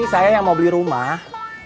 saya yang mau beli rumah